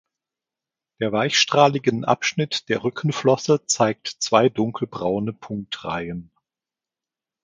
Der weichstrahligen Abschnitt der Rückenflosse zeigt zwei dunkelbraune Punktreihen.